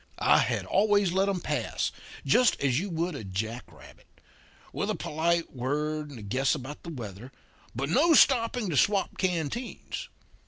I had always let 'em pass, just as you would a jack rabbit; with a polite word and a guess about the weather, but no stopping to swap canteens.